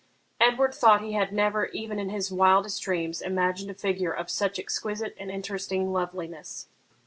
Edward thought he had never, even in his wildest dreams, imagined a figure of such exquisite and interesting loveliness.